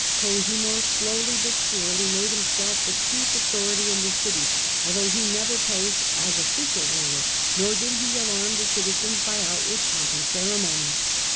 Cosimo slowly but surely made himself the chief authority in the city, although he never posed as official ruler, nor did he alarm the citi:jens by outward pomp and ceremony.